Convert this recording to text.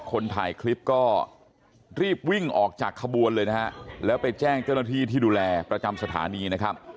คนถ่ายคลิปก็รีบวิ่งออกจากขบวนเลยนะฮะแล้วไปแจ้งเจ้าหน้าที่ที่ดูแลประจำสถานีนะครับ